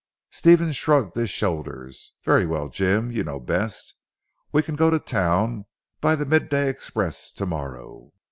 Stephen shrugged his shoulders. "Very well Jim. You know best. We can go to town by the mid day express, to morrow."